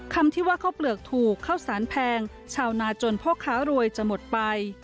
คำที่ว่าข้าวเปลือกถูกข้าวสารแพงชาวนาจนพ่อค้ารวยจะหมดไป